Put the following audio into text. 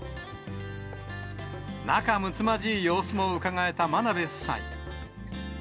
仲睦まじい様子もうかがえた真鍋夫妻。